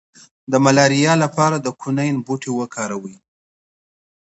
د ملاریا لپاره د کینین بوټی وکاروئ